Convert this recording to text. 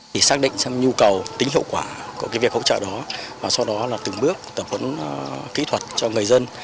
để xác định xem nhu cầu tính hiệu quả của việc hỗ trợ đó và sau đó là từng bước tập huấn kỹ thuật cho người dân